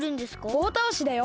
ぼうたおしだよ。